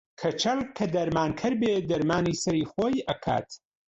کەچەڵ کە دەرمانکەر بێت دەرمانی سەری خۆی ئەکات